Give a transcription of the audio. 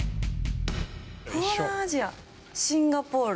東南アジアシンガポール。